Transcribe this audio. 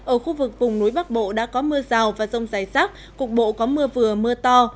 ở khu vực vùng núi bắc bộ đã có mưa rào và rông rải rác cục bộ có mưa vừa mưa to